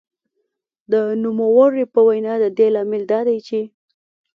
د نوموړې په وینا د دې لامل دا دی چې